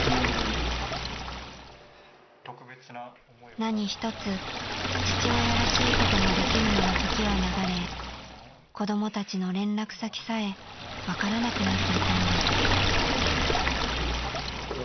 ［何一つ父親らしいこともできぬまま時は流れ子供たちの連絡先さえ分からなくなっていたんです］